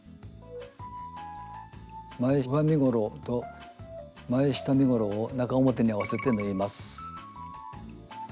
前上身ごろと前下身ごろを中表に合わせて縫います。